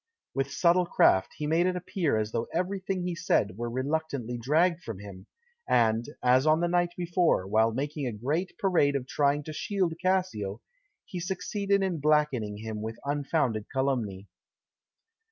With subtle craft he made it appear as though everything he said were reluctantly dragged from him, and, as on the night before, while making a great parade of trying to shield Cassio, he succeeded in blackening him with unfounded calumny.